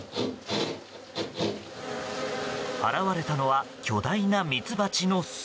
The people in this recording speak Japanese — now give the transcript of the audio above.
現れたのは巨大なミツバチの巣。